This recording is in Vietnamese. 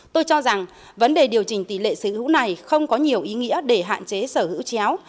tôi cho rằng vấn đề điều chỉnh tỷ lệ sở hữu này không có nhiều ý nghĩa để hạn chế sở hữu chéo